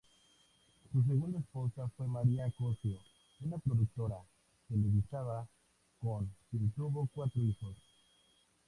Su segunda esposa fue María Cossio, una productora televisiva, con quien tuvo cuatro hijos.